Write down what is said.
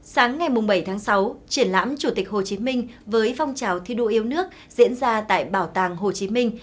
sáng ngày bảy tháng sáu triển lãm chủ tịch hồ chí minh với phong trào thi đua yêu nước diễn ra tại bảo tàng hồ chí minh